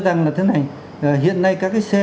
rằng là thế này hiện nay các cái xe